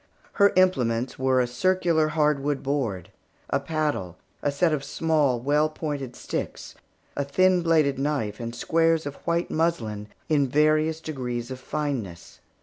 Her implements were a circular hardwood board, a paddle, a set of small, well pointed sticks, a thin bladed knife, and squares of white muslin of various degrees of fineness.